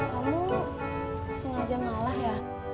kamu sengaja malah ya